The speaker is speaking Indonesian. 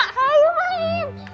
sebentar aja sebentar aja